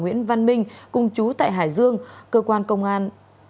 nguyễn văn minh cùng chú tại hải dương cơ quan công an